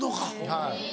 はい。